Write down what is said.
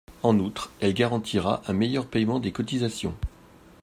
En outre, elle garantira un meilleur paiement des cotisations.